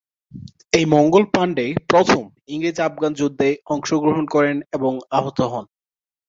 এই মঙ্গল পাণ্ডে প্রথম 'ইংরেজ-আফগান যুদ্ধে' অংশগ্রহণ করেন এবং আহত হন।